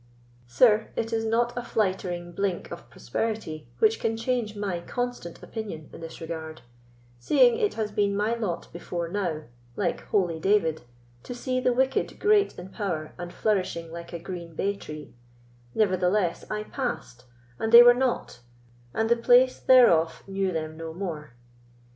Sir, it is not a flightering blink of prosperity which can change my constant opinion in this regard, seeing it has been my lot before now, like holy David, to see the wicked great in power and flourishing like a green bay tree; nevertheless I passed, and they were not, and the place thereof knew them no more.